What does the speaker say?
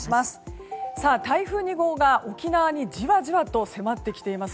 台風２号が沖縄に、じわじわと迫ってきています。